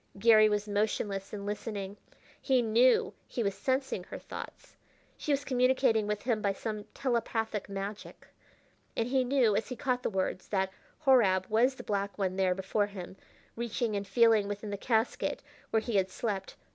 Garry was motionless and listening. He knew he was sensing her thoughts she was communicating with him by some telepathic magic and he knew, as he caught the words, that Horab was the black one there before him, reaching and feeling within the casket where he had slept.